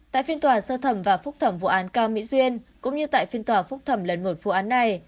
tại phiên tòa sơ thẩm và phúc thẩm vụ án cao mỹ duyên cũng như tại phiên tòa phúc thẩm lần một vụ án này